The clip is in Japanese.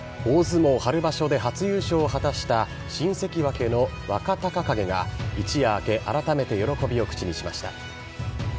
大相撲春場所で初優勝を果たした、新関脇の若隆景が一夜明け、改めて喜びを口にしました。